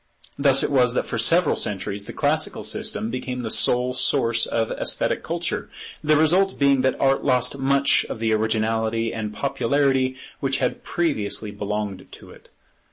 Thus it was that for several centuries the Classical system became the sole source of esthetic culture; the result being that Art lost much of the originality and popularity which had previously belonged to it.